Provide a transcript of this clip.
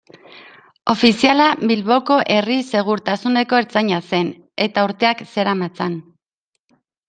Ofiziala Bilboko herri-segurtasuneko ertzaina zen, eta urteak zeramatzan.